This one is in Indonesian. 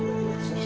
siapa tahu gitu